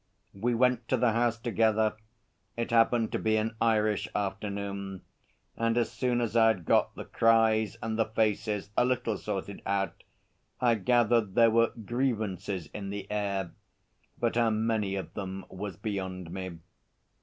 We went to the House together. It happened to be an Irish afternoon, and as soon as I had got the cries and the faces a little sorted out, I gathered there were grievances in the air, but how many of them was beyond me.